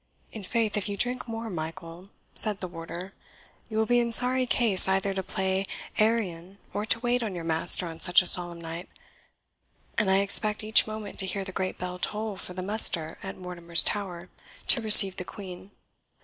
"In faith, if you drink more, Michael," said the warder, "you will be in sorry case either to play Arion or to wait on your master on such a solemn night; and I expect each moment to hear the great bell toll for the muster at Mortimer's Tower, to receive the Queen."